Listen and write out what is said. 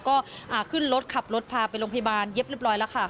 ก็ขึ้นรถขับรถพาไปโรงพยาบาลเย็บเรียบร้อยแล้วค่ะ